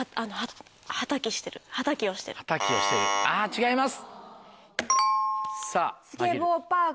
違います。